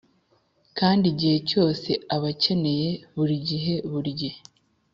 kandi igihe cyose ubakeneye, burigihe burigihe.